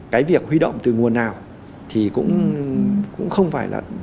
cái việc huy động từ nguồn nào thì cũng không phải là